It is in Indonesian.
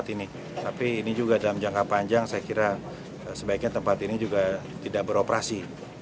tapi ini juga dalam jangka panjang saya kira sebaiknya tempat ini juga tidak beroperasi